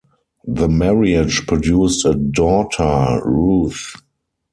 The marriage produced a daughter, Ruth.